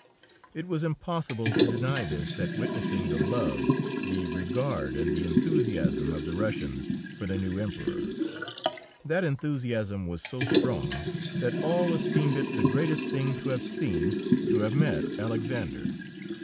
It was impossible to deny this at witnessing the love, the regard and the enthusiasm of the Russians for their new Emperor. That enthusiasm was so strong that all esteemed it the greatest thing to have seen, to have met Alexander.